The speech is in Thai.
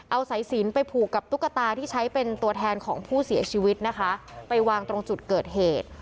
เอาสายสินไปผูกกับตุ๊กตาที่ใช้เป็นตัวแทนของผู้เสียชีวิตนะคะไปวางตรงจุดเกิดเหตุ